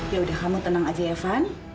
yaudah kamu tenang aja evan